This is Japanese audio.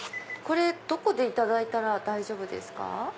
これどこでいただいたら大丈夫ですか？